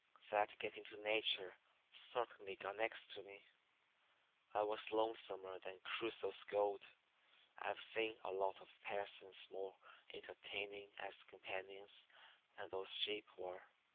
That getting next to Nature certainly got next to me. I was lonesomer than Crusoe's goat. I've seen a lot of persons more entertaining as companions than those sheep were.